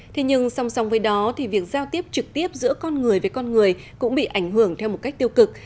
thế nhưng song song với đó thì việc giao tiếp trực tiếp giữa con người với con người cũng bị ảnh hưởng theo một cách tiêu cực